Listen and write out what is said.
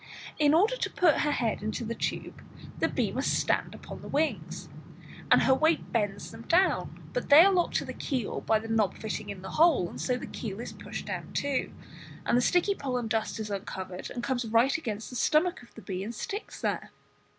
In order to put her head into the tube the bee must stand upon the wings, and her weight bends them down. but they are locked to the keel by the knob fitting in the hole, and so the keel is pushed down too, and the sticky pollen dust is uncovered and comes right against the stomach of the bee and sticks there!